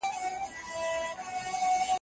نثر او کيسه د ژوند د حقايقو ترجمان وي.